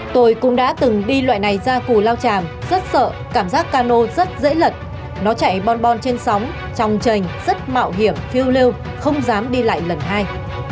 tôi cũng đã từng đi loại này ra cù lao tràm rất sợ cảm giác cano rất dễ lật nó chạy bonbon trên sóng trong trành rất mạo hiểm phiêu lưu không dám đi lại lần hai